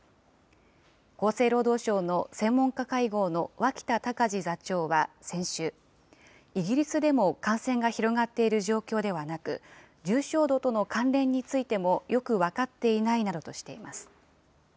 厚生労働省の専門家会合の脇田隆字座長は先週、イギリスでも感染が広がっている状況ではなく、重症度との関連についてもよく分かっていないなどとしています。